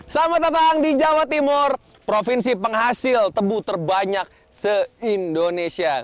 selamat datang di jawa timur provinsi penghasil tebu terbanyak se indonesia